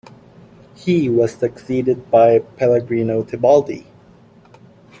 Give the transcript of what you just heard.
He was succeeded by Pellegrino Tibaldi.